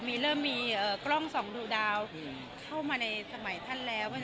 มีกล้องสองดูดาวเข้ามาในสมัยท่านแล้ว